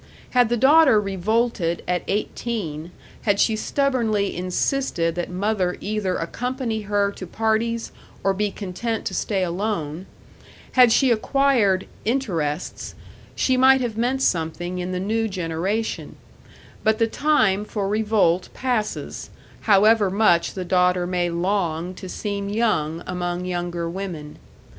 Had the daughter revolted at eighteen, had she stubbornly insisted that mother either accompany her to parties or be content to stay alone, had she acquired "interests," she might have meant something in the new generation; but the time for revolt passes, however much the daughter may long to seem young among younger women.